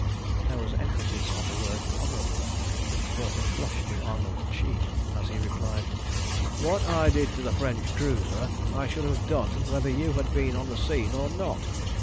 There was an emphasis on the word "honourable" which brought a flush to Arnold's cheek, as he replied "What I did to the French cruiser I should have done whether you had been on the scene or not.